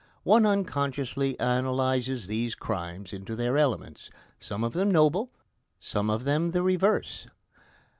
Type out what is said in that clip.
One unconsciously analyses these crimes into their elements, some of them noble, some of them the reverse.